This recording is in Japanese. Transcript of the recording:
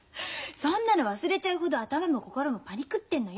そんなの忘れちゃうほど頭も心もパニクってんのよ。